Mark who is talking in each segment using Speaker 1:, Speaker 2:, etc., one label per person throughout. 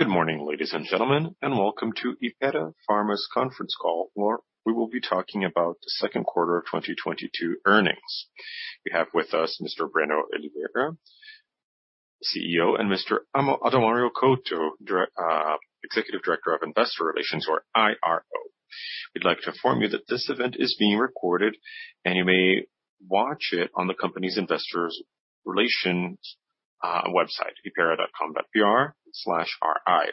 Speaker 1: Good morning, ladies and gentlemen, and welcome to Hypera Pharma's conference call, where we will be talking about the second quarter of 2022 earnings. We have with us Mr. Breno Oliveira, CEO, and Mr. Adalmario Couto, executive director of investor relations or IRO. We'd like to inform you that this event is being recorded, and you may watch it on the company's investor relations website, hypera.com.br/ri.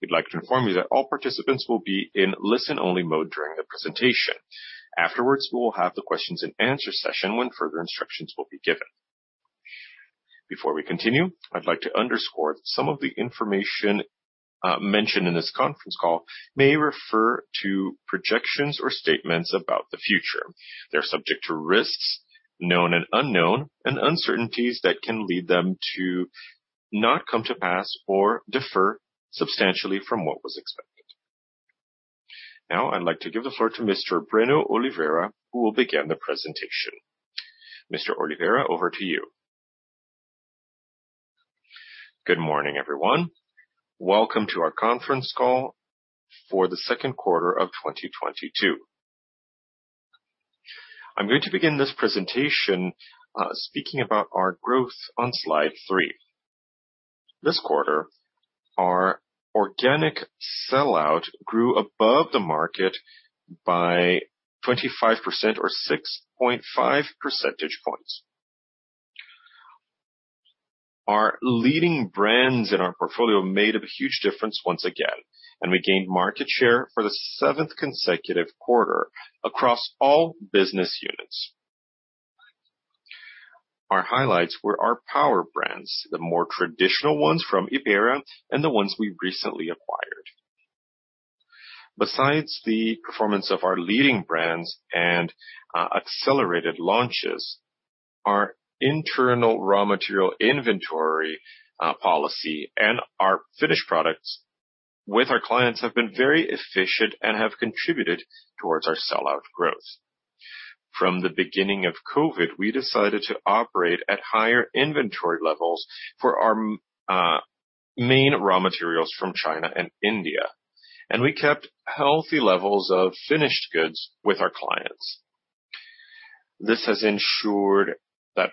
Speaker 1: We'd like to inform you that all participants will be in listen-only mode during the presentation. Afterwards, we will have the questions and answer session when further instructions will be given. Before we continue, I'd like to underscore some of the information mentioned in this conference call may refer to projections or statements about the future. They're subject to risks known and unknown and uncertainties that can lead them to not come to pass or differ substantially from what was expected. Now I'd like to give the floor to Mr. Breno Oliveira, who will begin the presentation. Mr. Oliveira, over to you. Good morning, everyone. Welcome to our conference call for the second quarter of 2022. I'm going to begin this presentation, speaking about our growth on slide three. This quarter, our organic sell-out grew above the market by 25% or 6.5 percentage points. Our leading brands in our portfolio made a huge difference once again, and we gained market share for the seventh consecutive quarter across all business units. Our highlights were our power brands, the more traditional ones from Hypera and the ones we've recently acquired. Besides the performance of our leading brands and accelerated launches, our internal raw material inventory policy and our finished products with our clients have been very efficient and have contributed towards our sell-out growth. From the beginning of COVID, we decided to operate at higher inventory levels for our main raw materials from China and India, and we kept healthy levels of finished goods with our clients. This has ensured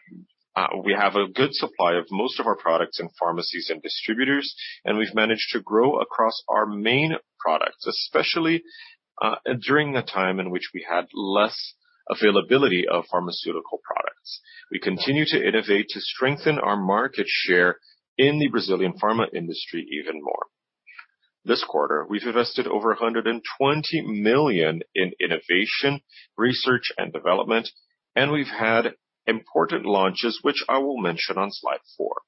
Speaker 1: that we have a good supply of most of our products in pharmacies and distributors, and we've managed to grow across our main products, especially during the time in which we had less availability of pharmaceutical products. We continue to innovate to strengthen our market share in the Brazilian pharma industry even more. This quarter, we've invested over 120 million in innovation, research, and development, and we've had important launches, which I will mention on slide four.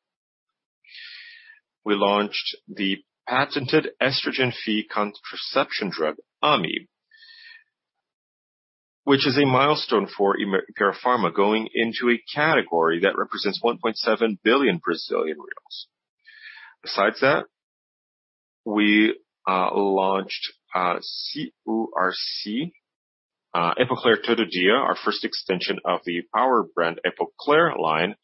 Speaker 1: We launched the patented estrogen-free contraception drug, Iumi, which is a milestone for Hypera Pharma going into a category that represents BRL 1.7 billion. Besides that, we launched Epocler Todo Dia, our first extension of the power brand Epocler line,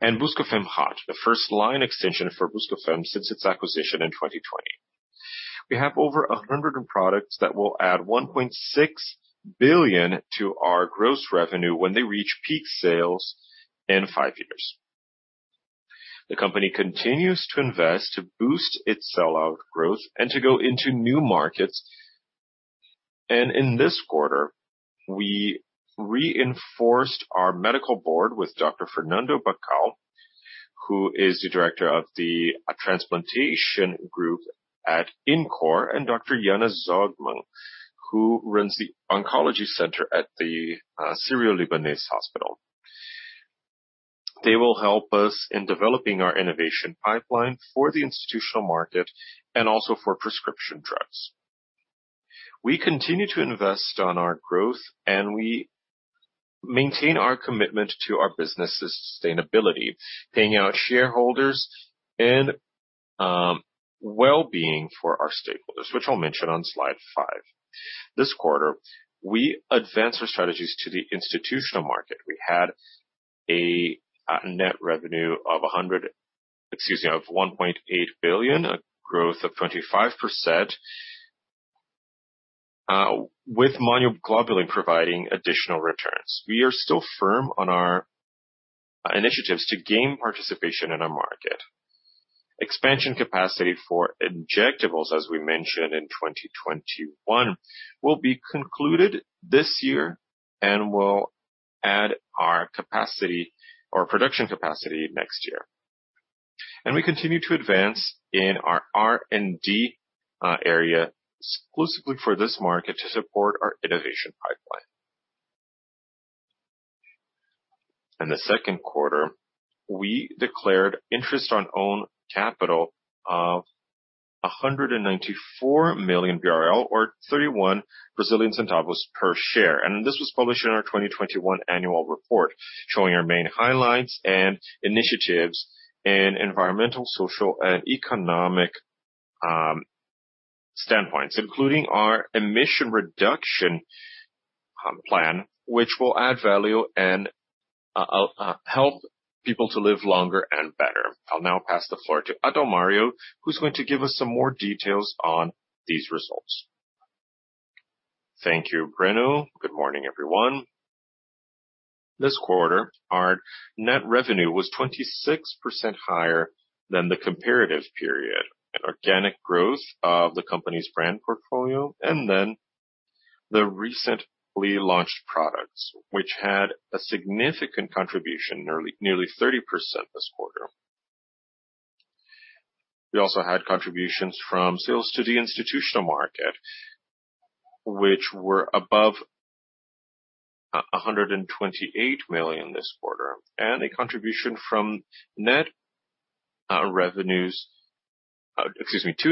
Speaker 1: and Buscofem Hot, the first line extension for Buscofem since its acquisition in 2020. We have over 100 products that will add 1.6 billion to our gross revenue when they reach peak sales in five years. The company continues to invest to boost its sell-out growth and to go into new markets. In this quarter, we reinforced our medical board with Dr. Fernando Bacal, who is the Director of the Transplantation Group at InCor, and Dr. Yana Zogbi, who runs the oncology center at the Hospital Sírio-Libanês. They will help us in developing our innovation pipeline for the institutional market and also for prescription drugs. We continue to invest on our growth, and we maintain our commitment to our business's sustainability, paying our shareholders and well-being for our stakeholders, which I'll mention on slide five. This quarter, we advanced our strategies to the institutional market. We had a net revenue of 1.8 billion, a growth of 25%, with immunoglobulin providing additional returns. We are still firm on our initiatives to gain participation in our market. Expansion capacity for injectables, as we mentioned in 2021, will be concluded this year and will add our capacity or production capacity next year.
Speaker 2: We continue to advance in our R&D area exclusively for this market to support our innovation pipeline. In the second quarter, we declared interest on own capital of 194 million BRL or 0.31 per share. This was published in our 2021 annual report, showing our main highlights and initiatives in environmental, social, and economic standpoints, including our emission reduction plan, which will add value and help people to live longer and better. I'll now pass the floor to Adalmario, who's going to give us some more details on these results. Thank you, Breno. Good morning, everyone. This quarter, our net revenue was 26% higher than the comparative period. An organic growth of the company's brand portfolio, and then the recently launched products, which had a significant contribution, nearly 30% this quarter.
Speaker 1: We also had contributions from sales to the institutional market, which were above 128 million this quarter, and a contribution from the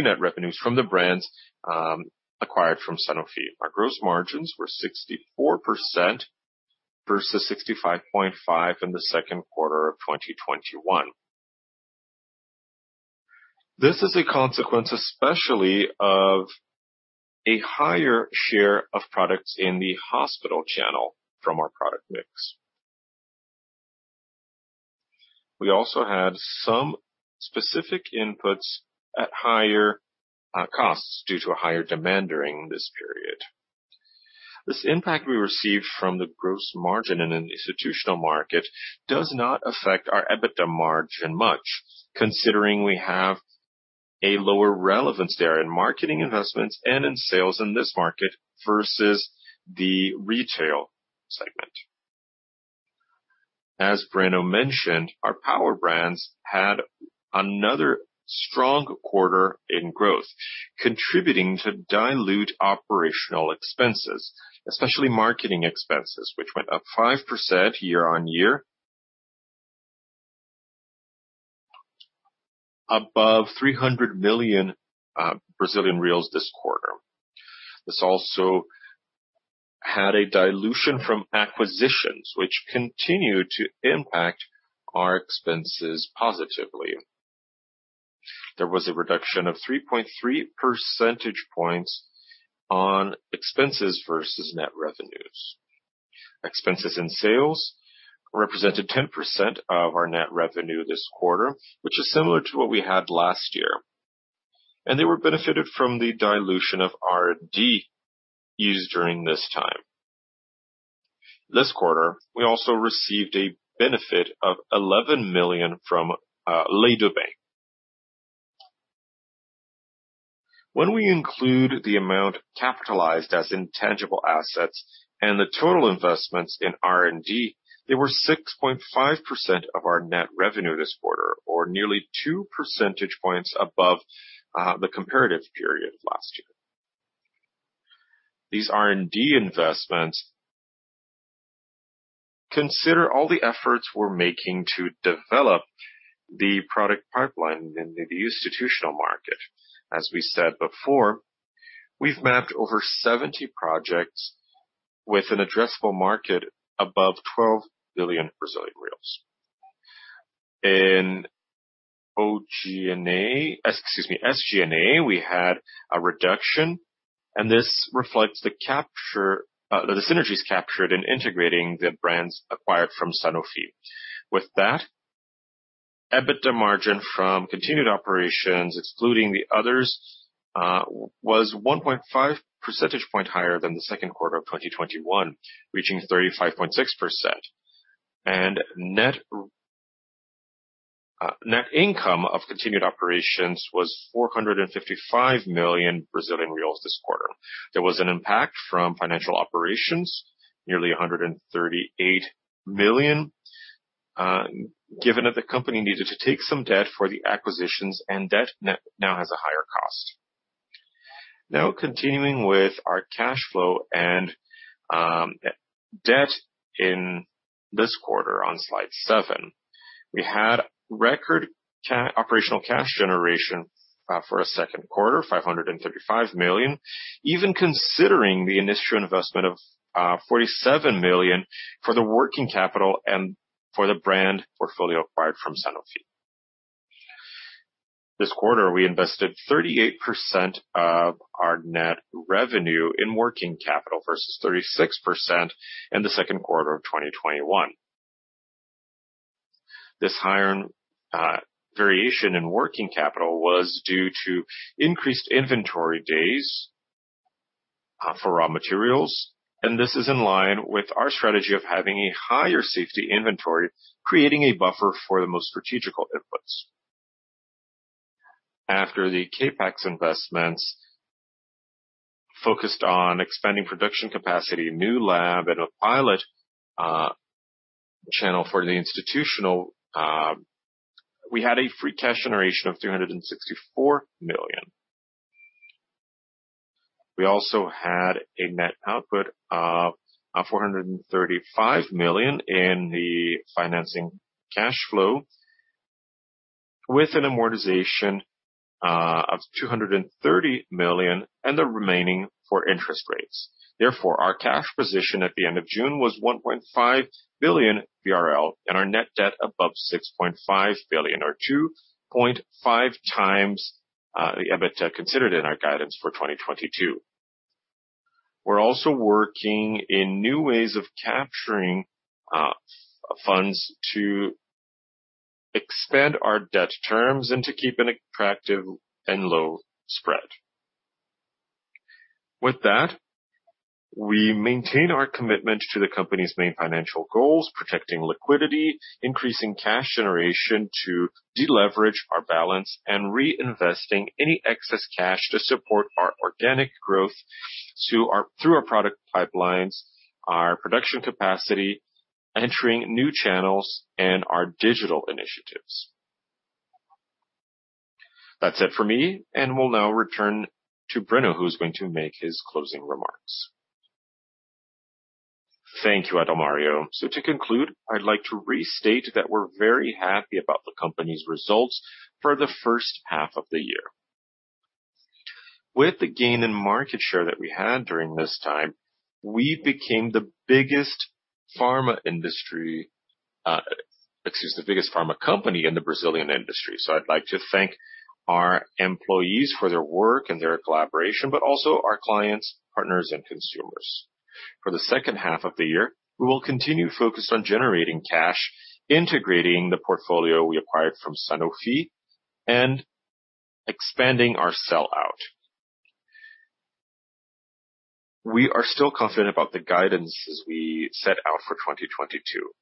Speaker 1: net revenues from the brands acquired from Sanofi. Our gross margins were 64% versus 65.5% in the second quarter of 2021. This is a consequence especially of a higher share of products in the hospital channel from our product mix. We also had some specific inputs at higher costs due to a higher demand during this period. This impact we received from the gross margin in an institutional market does not affect our EBITDA margin much, considering we have a lower relevance there in marketing investments and in sales in this market versus the retail segment. As Breno mentioned, our power brands had another strong quarter in growth, contributing to dilute operational expenses, especially marketing expenses, which went up 5% year-over-year. Above BRL 300 million this quarter. This also had a dilution from acquisitions, which continued to impact our expenses positively. There was a reduction of 3.3 percentage points on expenses versus net revenues. Expenses in sales represented 10% of our net revenue this quarter, which is similar to what we had last year. They were benefited from the dilution of R&D used during this time. This quarter, we also received a benefit of 11 million from Lei do Bem. When we include the amount capitalized as intangible assets and the total investments in R&D, they were 6.5% of our net revenue this quarter, or nearly two percentage points above the comparative period last year. These R&D investments consider all the efforts we're making to develop the product pipeline in the institutional market. As we said before, we've mapped over 70 projects with an addressable market above 12 billion Brazilian reais. In SG&A, we had a reduction, and this reflects the capture of the synergies captured in integrating the brands acquired from Sanofi. With that, EBITDA margin from continued operations, excluding the others, was 1.5 percentage point higher than the second quarter of 2021, reaching 35.6%. Net income of continued operations was 455 million Brazilian reais this quarter. There was an impact from financial operations, nearly 138 million, given that the company needed to take some debt for the acquisitions and debt now has a higher cost. Continuing with our cash flow and debt in this quarter on slide seven. We had record operational cash generation for a second quarter, 535 million, even considering the initial investment of 47 million for the working capital and for the brand portfolio acquired from Sanofi. This quarter, we invested 38% of our net revenue in working capital versus 36% in the second quarter of 2021. This higher variation in working capital was due to increased inventory days for raw materials, and this is in line with our strategy of having a higher safety inventory, creating a buffer for the most strategic inputs. After the CapEx investments focused on expanding production capacity, a new lab and a pilot channel for the institutional, we had a free cash generation of 364 million. We also had a net output of 435 million in the financing cash flow with an amortization of 230 million and the remaining for interest rates. Therefore, our cash position at the end of June was 1.5 billion BRL and our net debt above 6.5 billion or 2.5 times the EBITDA considered in our guidance for 2022. We're also working in new ways of capturing funds to expand our debt terms and to keep an attractive and low spread.
Speaker 3: With that, we maintain our commitment to the company's main financial goals, protecting liquidity, increasing cash generation to deleverage our balance, and reinvesting any excess cash to support our organic growth through our product pipelines, our production capacity, entering new channels, and our digital initiatives. That's it for me, and we'll now return to Breno, who's going to make his closing remarks. Thank you, Adalmario. To conclude, I'd like to restate that we're very happy about the company's results for the first half of the year. With the gain in market share that we had during this time, we became the biggest pharma company in the Brazilian industry. I'd like to thank our employees for their work and their collaboration, but also our clients, partners, and consumers. For the second half of the year, we will continue focused on generating cash, integrating the portfolio we acquired from Sanofi and expanding our sell-out. We are still confident about the guidance as we set out for 2022.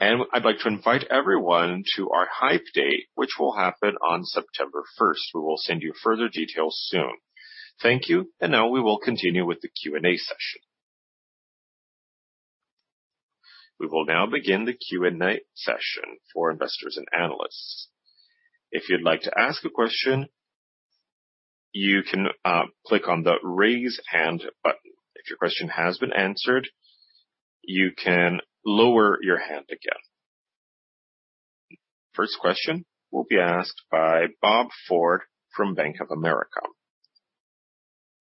Speaker 3: I'd like to invite everyone to our Hype Day, which will happen on September first. We will send you further details soon. Thank you. Now we will continue with the Q&A session. We will now begin the Q&A session for investors and analysts. If you'd like to ask a question, you can click on the Raise Hand button. If your question has been answered, you can lower your hand again. First question will be asked by Bob Ford from Bank of America.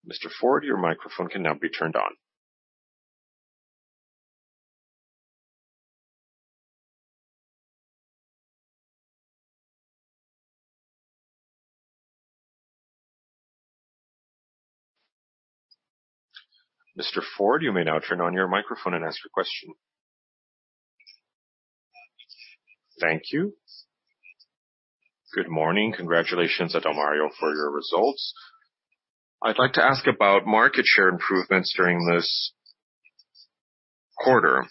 Speaker 3: Mr. Ford, your microphone can now be turned on. Mr. Ford, you may now turn on your microphone and ask your question. Thank you. Good morning.
Speaker 4: Congratulations, Adalmario, for your results. I'd like to ask about market share improvements during this quarter.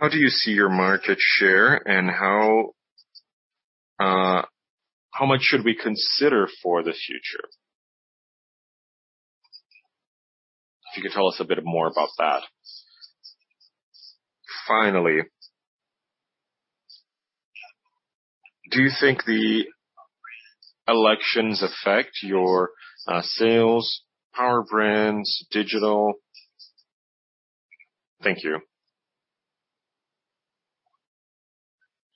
Speaker 4: How do you see your market share and how much should we consider for the future? If you could tell us a bit more about that. Finally, do you think the elections affect your sales, power brands, digital? Thank you.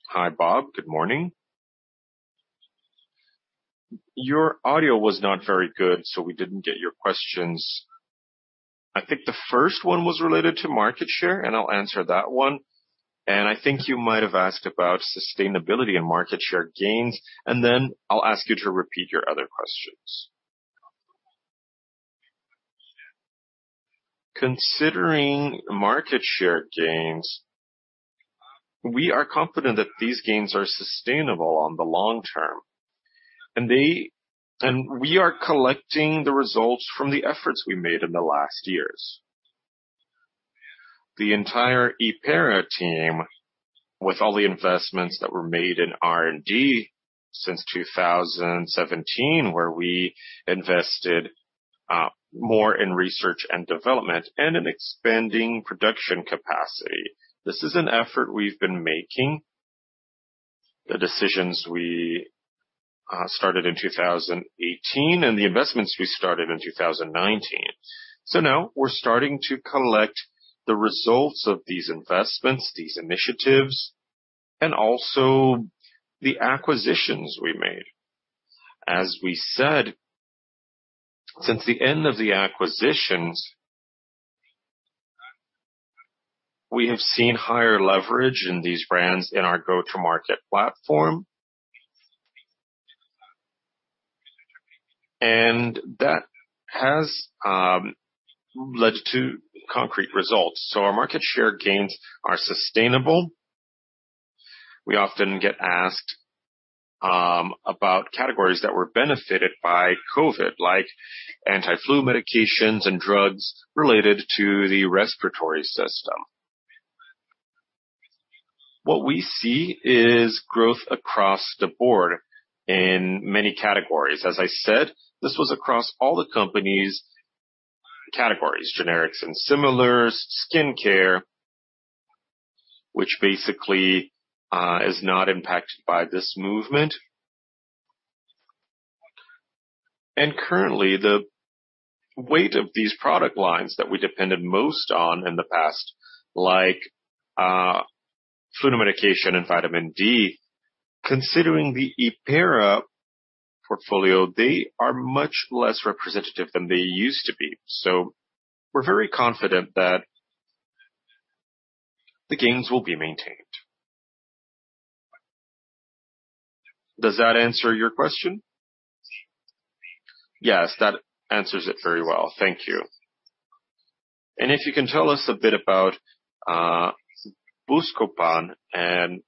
Speaker 4: Hi, Bob. Good morning. Your audio was not very good, so we didn't get your questions. I think the first one was related to market share, and I'll answer that one. I think you might have asked about sustainability and market share gains. Then I'll ask you to repeat your other questions. Considering market share gains, we are confident that these gains are sustainable on the long term. We are collecting the results from the efforts we made in the last years.
Speaker 3: The entire Hypera team, with all the investments that were made in R&D since 2017, where we invested more in research and development and in expanding production capacity. This is an effort we've been making. The decisions we started in 2018 and the investments we started in 2019. Now we're starting to collect the results of these investments, these initiatives, and also the acquisitions we made. As we said, since the end of the acquisitions, we have seen higher leverage in these brands in our go-to-market platform. That has led to concrete results. Our market share gains are sustainable. We often get asked about categories that were benefited by COVID, like anti-flu medications and drugs related to the respiratory system. What we see is growth across the board in many categories. As I said, this was across all the company's categories, generics and similars, skin care, which basically is not impacted by this movement. Currently, the weight of these product lines that we depended most on in the past, like flu medication and vitamin D, considering the Hypera portfolio, they are much less representative than they used to be. We're very confident that the gains will be maintained. Does that answer your question? Yes, that answers it very well. Thank you. If you can tell us a bit about Buscopan and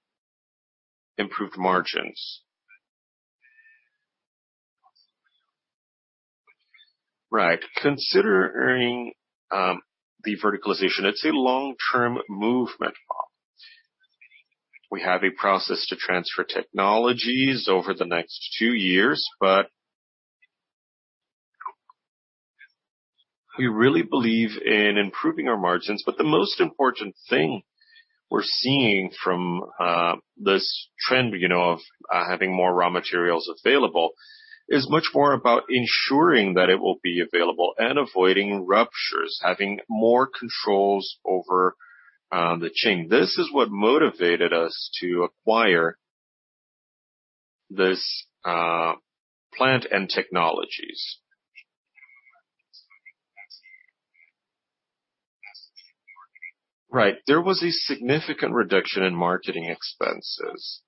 Speaker 3: improved margins. Right. Considering the verticalization, it's a long-term movement. We have a process to transfer technologies over the next two years, but we really believe in improving our margins. The most important thing we're seeing from this trend, you know, of having more raw materials available, is much more about ensuring that it will be available and avoiding ruptures, having more controls over the chain. This is what motivated us to acquire this plant and technologies. Right. There was a significant reduction in marketing expenses.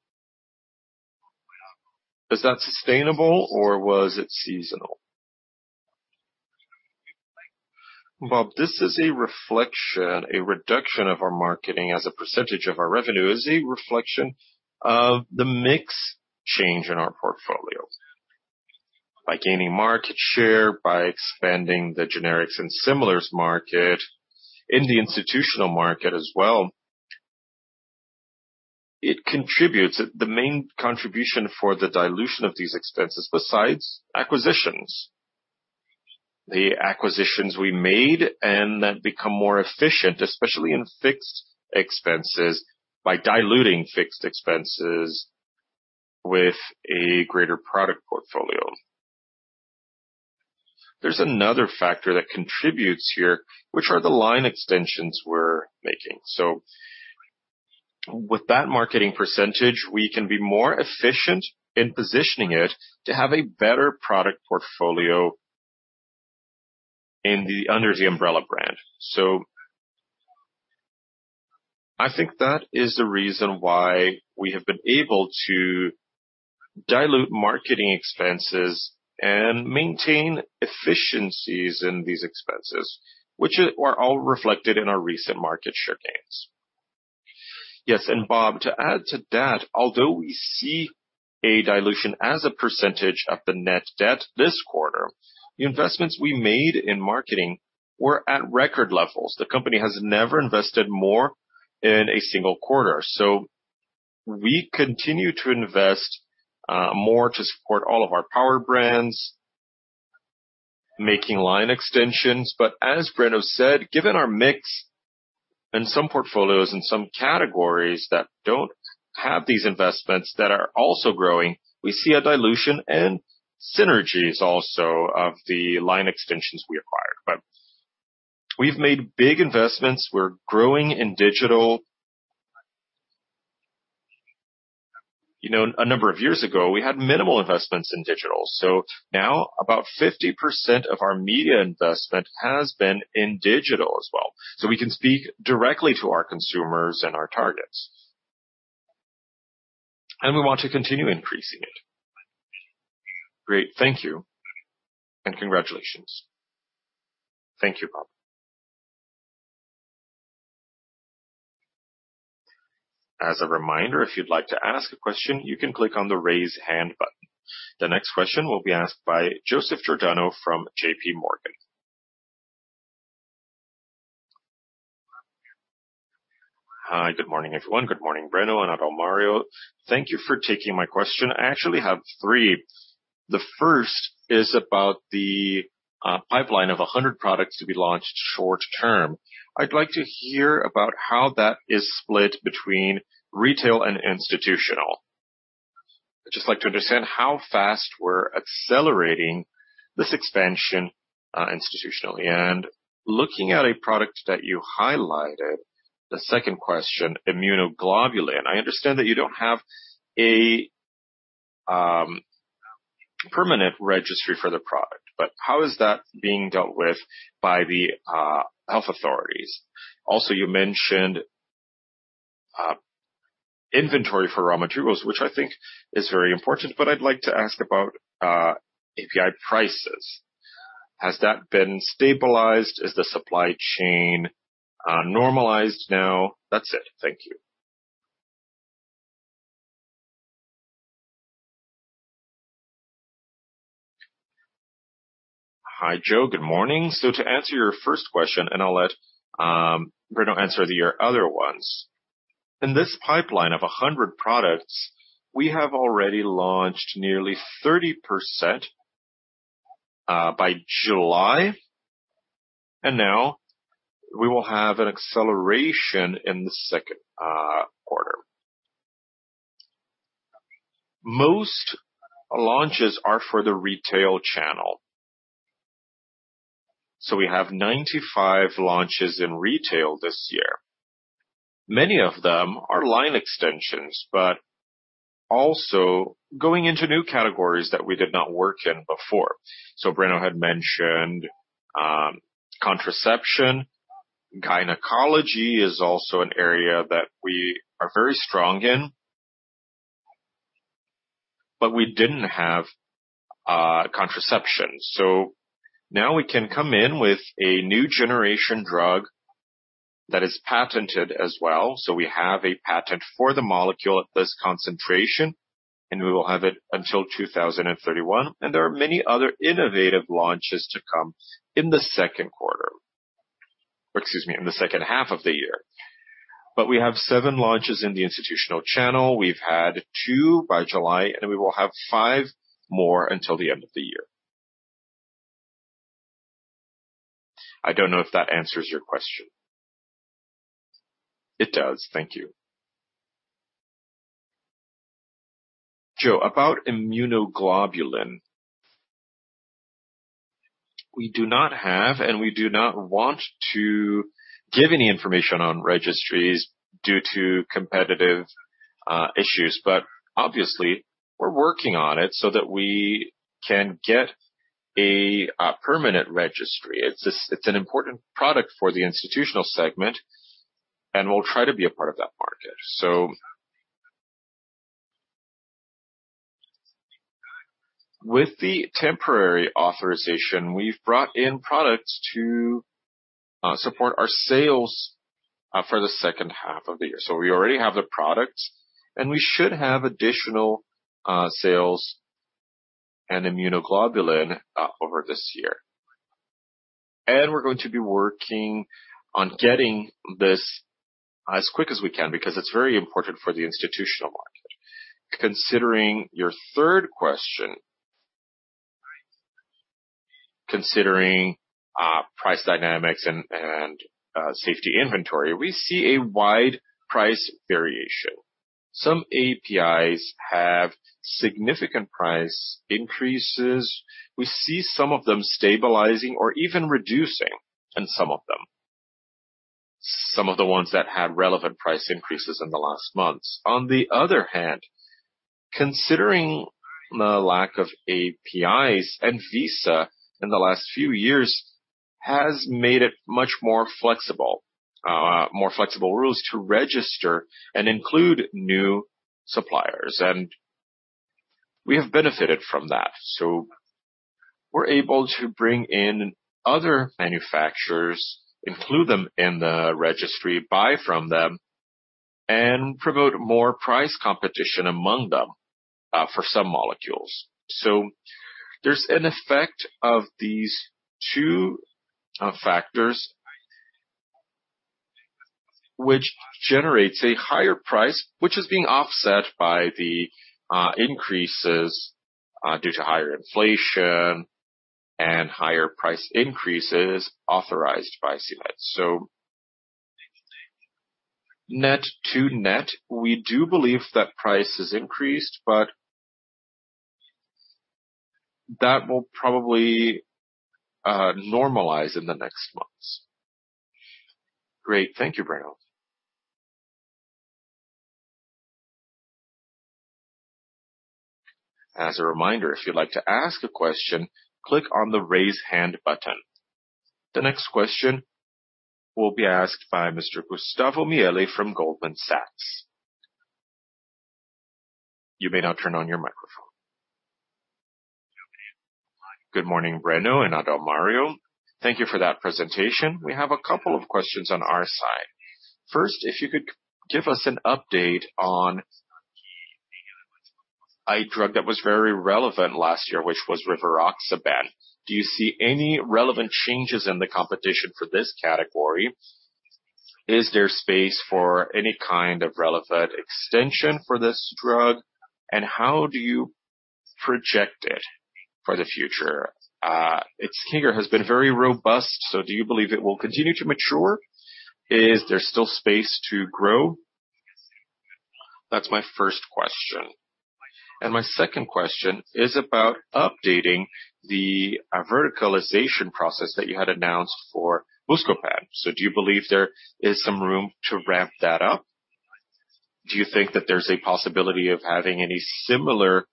Speaker 3: Is that sustainable or was it seasonal? Bob, this is a reflection, a reduction of our marketing as a percentage of our revenue is a reflection of the mix change in our portfolio. By gaining market share, by expanding the generics and similars market, in the institutional market as well, it contributes. The main contribution for the dilution of these expenses, besides acquisitions, the acquisitions we made and that become more efficient, especially in fixed expenses, by diluting fixed expenses with a greater product portfolio. There's another factor that contributes here, which are the line extensions we're making. With that marketing percentage, we can be more efficient in positioning it to have a better product portfolio under the umbrella brand. I think that is the reason why we have been able to dilute marketing expenses and maintain efficiencies in these expenses, which are all reflected in our recent market share gains. Yes, Bob, to add to that, although we see a dilution as a percentage of the net revenue this quarter, the investments we made in marketing were at record levels. The company has never invested more in a single quarter. We continue to invest more to support all of our power brands, making line extensions.
Speaker 2: As Breno said, given our mix in some portfolios and some categories that don't have these investments that are also growing, we see a dilution and synergies also of the line extensions we acquired. We've made big investments. We're growing in digital. You know, a number of years ago, we had minimal investments in digital. Now about 50% of our media investment has been in digital as well. We can speak directly to our consumers and our targets. We want to continue increasing it. Great. Thank you and congratulations. Thank you, Bob. As a reminder, if you'd like to ask a question, you can click on the Raise Hand button. The next question will be asked by Joseph Giordano from JPMorgan. Hi, good morning, everyone. Good morning, Breno and Adalmario. Thank you for taking my question. I actually have three.
Speaker 5: The first is about the pipeline of 100 products to be launched short-term. I'd like to hear about how that is split between retail and institutional. I'd just like to understand how fast we're accelerating this expansion institutionally. Looking at a product that you highlighted, the second question, immunoglobulin. I understand that you don't have a permanent registry for the product, but how is that being dealt with by the health authorities? Also, you mentioned inventory for raw materials, which I think is very important, but I'd like to ask about API prices. Has that been stabilized? Is the supply chain normalized now? That's it. Thank you. Hi, Joe. Good morning. To answer your first question, and I'll let Breno answer your other ones.
Speaker 2: In this pipeline of 100 products, we have already launched nearly 30%, by July, and now we will have an acceleration in the second quarter. Most launches are for the retail channel. We have 95 launches in retail this year. Many of them are line extensions, but also going into new categories that we did not work in before. Breno had mentioned, contraception. Gynecology is also an area that we are very strong in, but we didn't have, contraception. Now we can come in with a new generation drug that is patented as well. We have a patent for the molecule at this concentration, and we will have it until 2031. There are many other innovative launches to come in the second quarter. Or excuse me, in the second half of the year.
Speaker 3: We have seven launches in the institutional channel. We've had two by July, and we will have five more until the end of the year. I don't know if that answers your question. It does. Thank you. Joseph, about immunoglobulin. We do not have and we do not want to give any information on registries due to competitive issues, but obviously we're working on it so that we can get a permanent registry. It's an important product for the institutional segment, and we'll try to be a part of that market. With the temporary authorization, we've brought in products to support our sales for the second half of the year. We already have the product, and we should have additional sales and immunoglobulin over this year. We're going to be working on getting this as quick as we can because it's very important for the institutional market. Considering price dynamics and safety inventory, we see a wide price variation. Some APIs have significant price increases. We see some of them stabilizing or even reducing in some of them. Some of the ones that had relevant price increases in the last months. On the other hand, considering the lack of APIs and Anvisa in the last few years has made it much more flexible rules to register and include new suppliers. We have benefited from that. We're able to bring in other manufacturers, include them in the registry, buy from them, and promote more price competition among them for some molecules. There's an effect of these two factors which generates a higher price, which is being offset by the increases due to higher inflation and higher price increases authorized by CMED. Net to net, we do believe that price has increased, but that will probably normalize in the next months. Great. Thank you, Breno. As a reminder, if you'd like to ask a question, click on the Raise Hand button. The next question will be asked by Mr. Gustavo Miele from Goldman Sachs. You may now turn on your microphone. Good morning, Breno and Adalmario. Thank you for that presentation. We have a couple of questions on our side. First, if you could give us an update on a drug that was very relevant last year, which was rivaroxaban. Do you see any relevant changes in the competition for this category?
Speaker 6: Is there space for any kind of relevant extension for this drug, and how do you project it for the future? Its figure has been very robust, so do you believe it will continue to mature? Is there still space to grow? That's my first question. My second question is about updating the verticalization process that you had announced for Buscopan. Do you believe there is some room to ramp that up? Do you think that there's a possibility of having any similar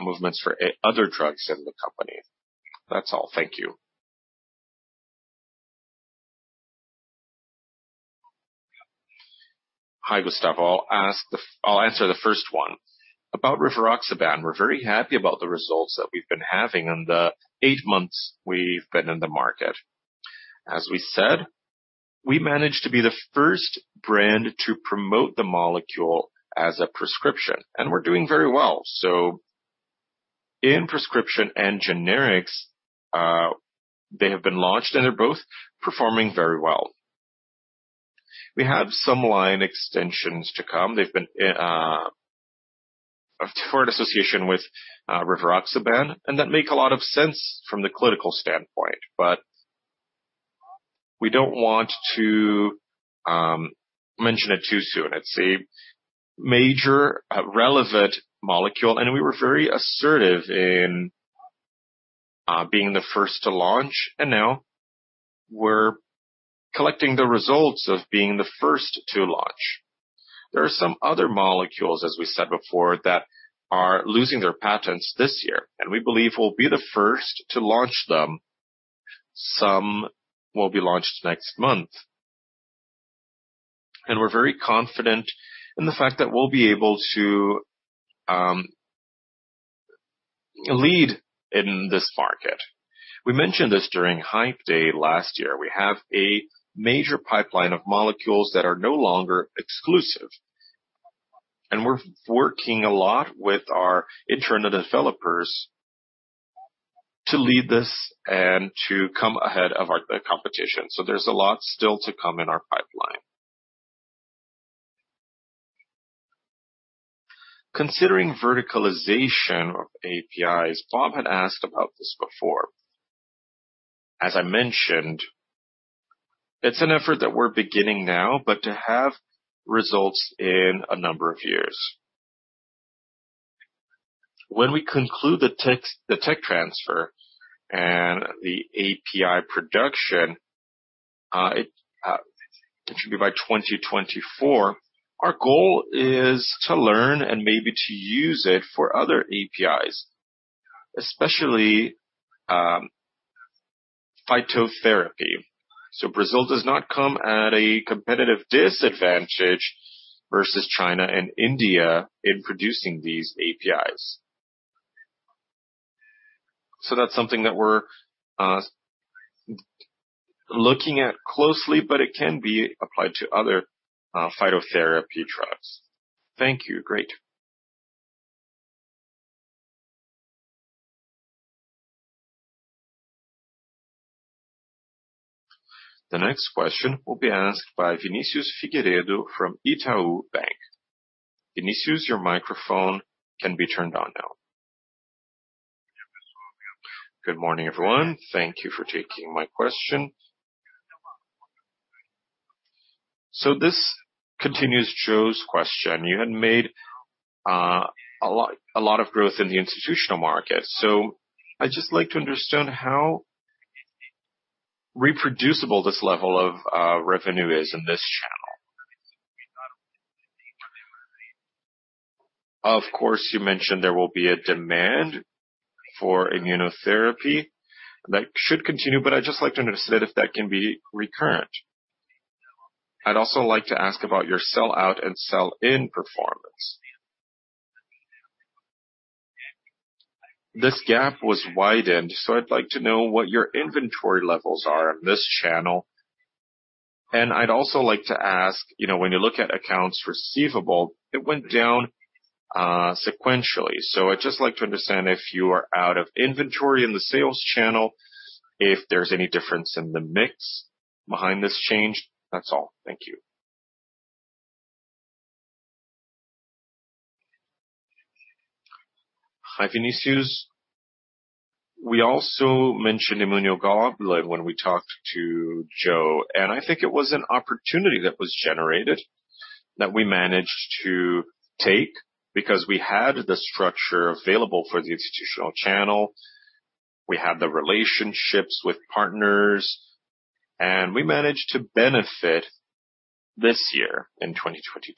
Speaker 6: movements for other drugs in the company? That's all. Thank you. Hi, Gustavo. I'll answer the first one. About rivaroxaban, we're very happy about the results that we've been having in the eight months we've been in the market.
Speaker 3: As we said, we managed to be the first brand to promote the molecule as a prescription, and we're doing very well. In prescription and generics, they have been launched and they're both performing very well. We have some line extensions to come. They've been in for an association with rivaroxaban, and that make a lot of sense from the clinical standpoint, but we don't want to mention it too soon. It's a major relevant molecule, and we were very assertive in being the first to launch, and now we're collecting the results of being the first to launch. There are some other molecules, as we said before, that are losing their patents this year, and we believe we'll be the first to launch them. Some will be launched next month. We're very confident in the fact that we'll be able to lead in this market. We mentioned this during Hype Day last year. We have a major pipeline of molecules that are no longer exclusive, and we're working a lot with our internal developers to lead this and to come ahead of our, the competition. There's a lot still to come in our pipeline. Considering verticalization of APIs, Bob had asked about this before. As I mentioned, it's an effort that we're beginning now, but to have results in a number of years. When we conclude the tech, the tech transfer and the API production, it should be by 2024. Our goal is to learn and maybe to use it for other APIs, especially phytotherapy. Brazil does not come at a competitive disadvantage versus China and India in producing these APIs. That's something that we're looking at closely, but it can be applied to other phytotherapy drugs. Thank you. Great. The next question will be asked by Vinicius Figueiredo from Itaú Bank. Vinicius, your microphone can be turned on now. Good morning, everyone. Thank you for taking my question. This continues Joe's question. You had made a lot of growth in the institutional market. I'd just like to understand how reproducible this level of revenue is in this channel. Of course, you mentioned there will be a demand for immunotherapy that should continue, but I'd just like to understand if that can be recurrent. I'd also like to ask about your sell-out and sell-in performance. This gap was widened, so I'd like to know what your inventory levels are in this channel.
Speaker 7: I'd also like to ask, you know, when you look at accounts receivable, it went down sequentially. I'd just like to understand if you are out of inventory in the sales channel, if there's any difference in the mix behind this change. That's all. Thank you. Hi, Vinicius. We also mentioned immunoglobulin when we talked to Joe, and I think it was an opportunity that was generated that we managed to take because we had the structure available for the institutional channel. We had the relationships with partners, and we managed to benefit this year in 2022.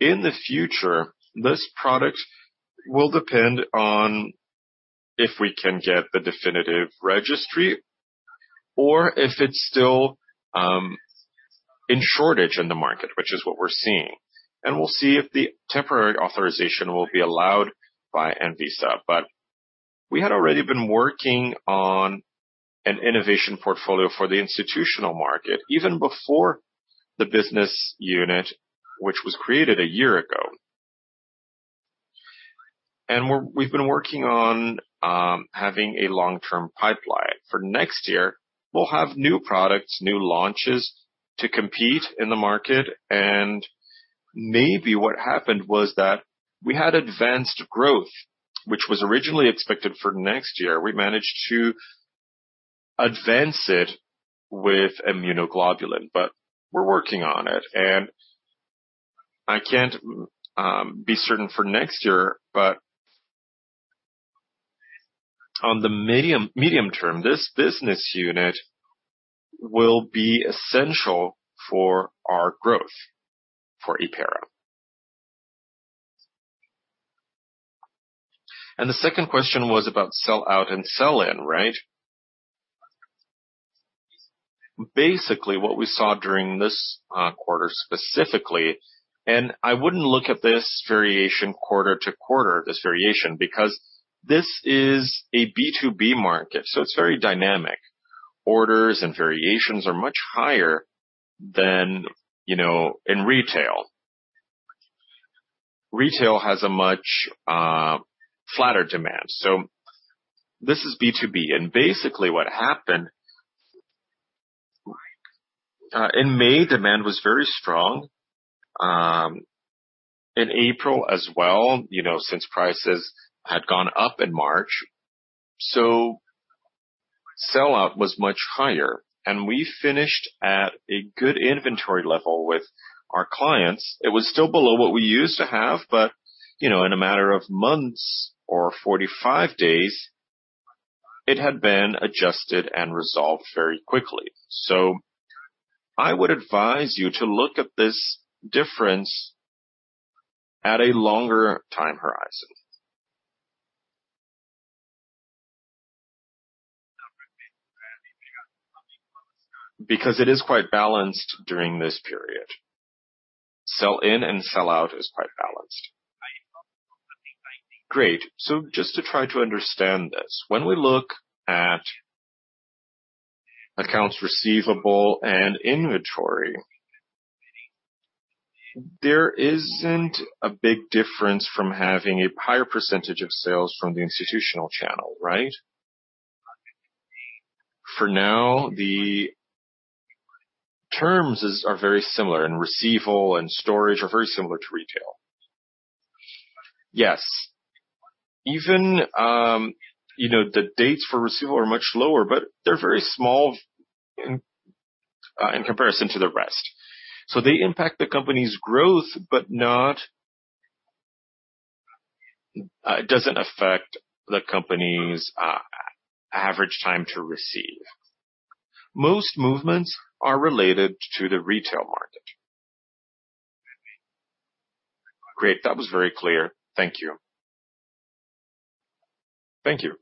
Speaker 7: In the future, this product will depend on if we can get the definitive registry or if it's still in shortage in the market, which is what we're seeing. We'll see if the temporary authorization will be allowed by Anvisa.
Speaker 2: We had already been working on an innovation portfolio for the institutional market even before the business unit, which was created a year ago. We've been working on having a long-term pipeline. For next year, we'll have new products, new launches to compete in the market, and maybe what happened was that we had advanced growth, which was originally expected for next year. We managed to advance it with immunoglobulin, but we're working on it. I can't be certain for next year, but on the medium term, this business unit will be essential for our growth for Hypera. The second question was about sell out and sell in, right? Basically, what we saw during this quarter specifically, and I wouldn't look at this variation quarter to quarter, because this is a B2B market, so it's very dynamic. Orders and variations are much higher than, you know, in retail. Retail has a much flatter demand. This is B2B. Basically what happened in May, demand was very strong. In April as well, you know, since prices had gone up in March. Sell-out was much higher, and we finished at a good inventory level with our clients. It was still below what we used to have, but, you know, in a matter of months or 45 days, it had been adjusted and resolved very quickly. I would advise you to look at this difference at a longer time horizon. Because it is quite balanced during this period. Sell-in and sell-out is quite balanced. Great. Just to try to understand this. When we look at accounts receivable and inventory, there isn't a big difference from having a higher percentage of sales from the institutional channel, right? For now, the terms are very similar, and receivables and inventory are very similar to retail. Yes. Even, you know, the dates for receivables are much lower, but they're very small in comparison to the rest. So they impact the company's growth, but it doesn't affect the company's average time to receive. Most movements are related to the retail market. Great. That was very clear. Thank you. Thank you.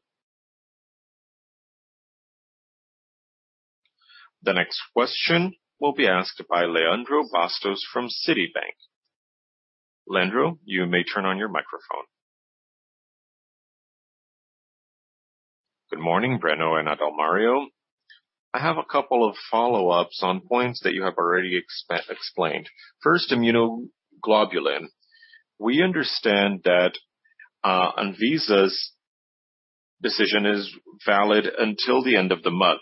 Speaker 2: The next question will be asked by Leandro Bastos from Citibank. Leandro, you may turn on your microphone. Good morning, Breno and Adalmario. I have a couple of follow-ups on points that you have already explained. First, immunoglobulin.
Speaker 8: We understand that Anvisa's decision is valid until the end of the month.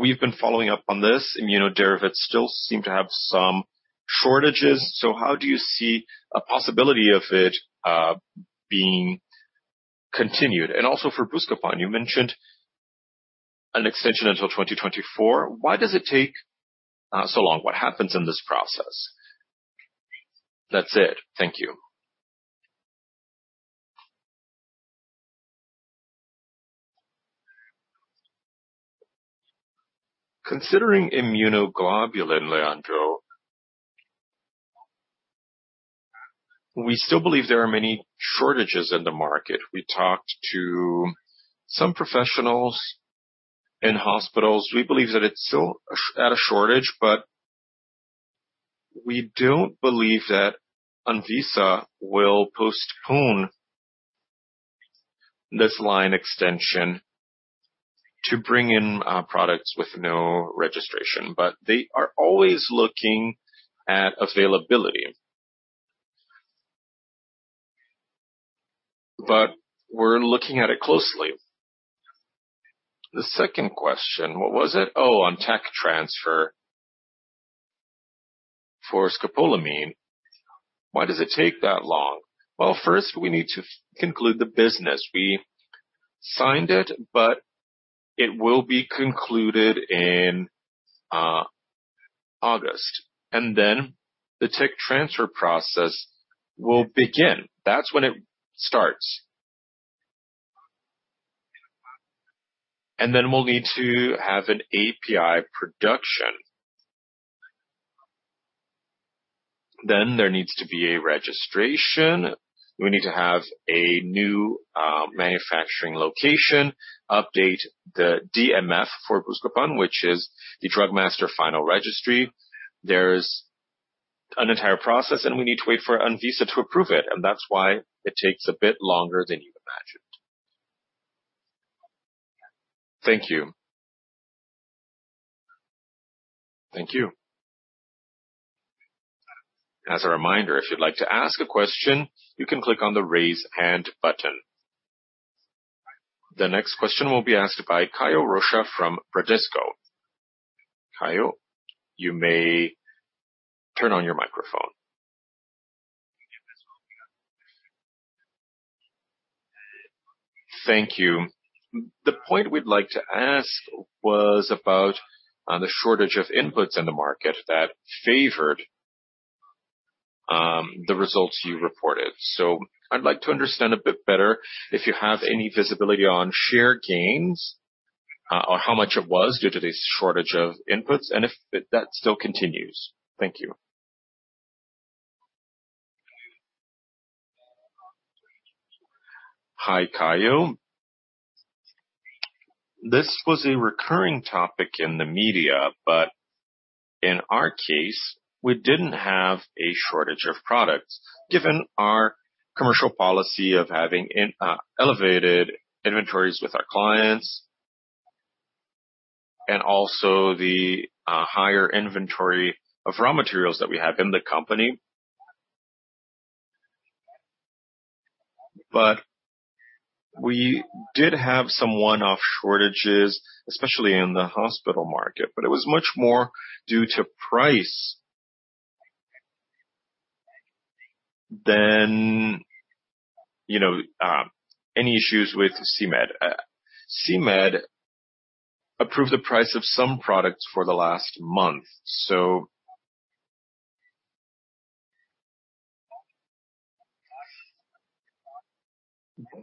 Speaker 8: We've been following up on this. Immunoglobulin still seem to have some shortages. How do you see a possibility of it being continued? Also for Buscopan, you mentioned an extension until 2024. Why does it take so long? What happens in this process? That's it. Thank you. Considering immunoglobulin, Leandro, we still believe there are many shortages in the market. We talked to some professionals in hospitals. We believe that it's still at a shortage, but we don't believe that Anvisa will postpone this line extension to bring in products with no registration, but they are always looking at availability. We're looking at it closely. The second question, what was it? Oh, on tech transfer for scopolamine. Why does it take that long?
Speaker 3: Well, first we need to conclude the business. We signed it, but it will be concluded in August, and then the tech transfer process will begin. That's when it starts. We'll need to have an API production. There needs to be a registration. We need to have a new manufacturing location, update the DMF for Buscopan, which is the Drug Master File registry. There's an entire process, and we need to wait for Anvisa to approve it, and that's why it takes a bit longer than you imagined. Thank you. Thank you. As a reminder, if you'd like to ask a question, you can click on the Raise Hand button. The next question will be asked by Caio Rocha from Bradesco. Caio, you may turn on your microphone. Thank you.
Speaker 9: The point we'd like to ask was about the shortage of inputs in the market that favored the results you reported. So I'd like to understand a bit better if you have any visibility on share gains or how much it was due to this shortage of inputs, and if that still continues. Thank you. Hi, Caio. This was a recurring topic in the media, but in our case, we didn't have a shortage of products given our commercial policy of having elevated inventories with our clients and also the higher inventory of raw materials that we have in the company. We did have some one-off shortages, especially in the hospital market, but it was much more due to price than any issues with CMED. CMED approved the price of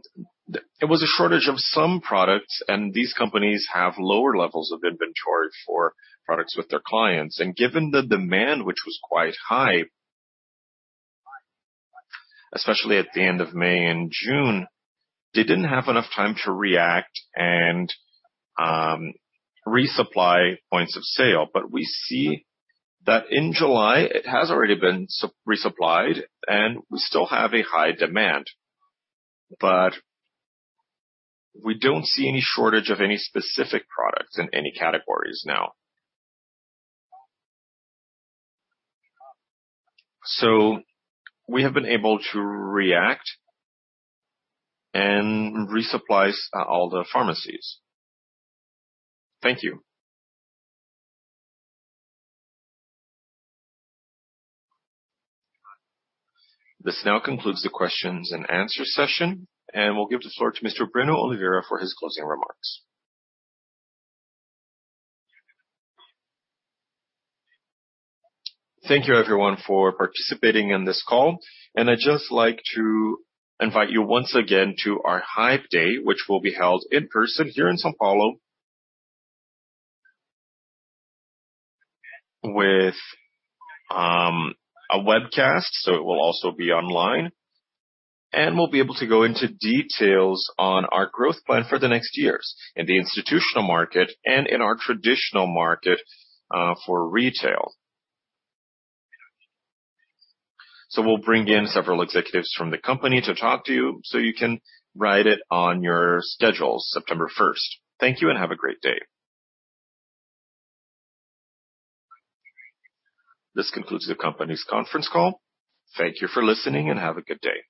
Speaker 9: some products for the last month.
Speaker 3: It was a shortage of some products, and these companies have lower levels of inventory for products with their clients. Given the demand, which was quite high, especially at the end of May and June, they didn't have enough time to react and resupply points of sale. We see that in July it has already been resupplied, and we still have a high demand. We don't see any shortage of any specific products in any categories now. We have been able to react and resupply all the pharmacies. Thank you. This now concludes the questions and answer session, and we'll give the floor to Mr. Breno Oliveira for his closing remarks. Thank you everyone for participating in this call, and I'd just like to invite you once again to our Hype Day, which will be held in person here in São Paulo. With a webcast, so it will also be online. We'll be able to go into details on our growth plan for the next years in the institutional market and in our traditional market for retail. We'll bring in several executives from the company to talk to you, so you can write it on your schedules, September first. Thank you and have a great day. This concludes the company's conference call. Thank you for listening and have a good day.